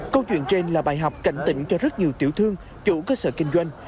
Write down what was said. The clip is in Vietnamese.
câu chuyện trên là bài học cảnh tỉnh cho rất nhiều tiểu thương chủ cơ sở kinh doanh